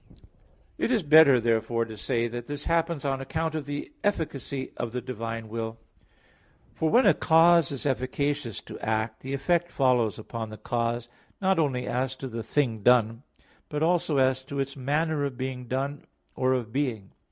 It is better therefore to say that this happens on account of the efficacy of the divine will. For when a cause is efficacious to act, the effect follows upon the cause, not only as to the thing done, but also as to its manner of being done or of being.